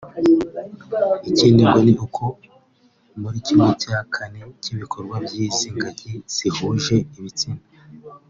Ikindi ngo ni uko muri kimwe cya kane cy’ibikorwa by’izi ngagi zihuje ibitsina